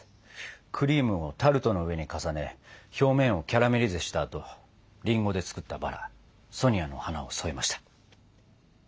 クリームをタルトの上に重ね表面をキャラメリゼしたあとりんごで作ったバラソニアの花を添えました。